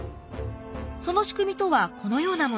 その仕組みとはこのようなもの。